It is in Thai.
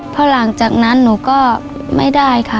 เพราะหลังจากนั้นหนูก็ไม่ได้ค่ะ